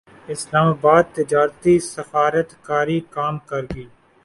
اسلام اباد تجارتی سفارت کاری کام کرگئی